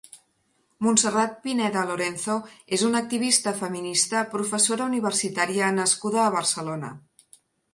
Montserrat Pineda Lorenzo és una activista feminista Professora universitària nascuda a Barcelona.